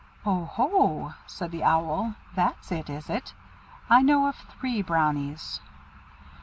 "Oohoo!" said the Owl, "that's it, is it? I know of three Brownies."